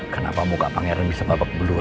kenapa muka pangeran bisa bapak belur